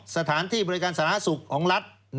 ๒สถานที่บริการสร้างอาทิตย์ของรัฐ